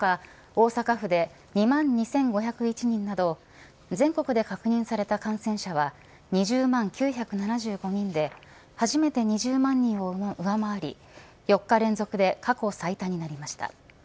大阪府で２万２５０１人など全国で確認された感染者は２０万９７５人で初めて２０万人を上回り４日連続で過去最多になりました。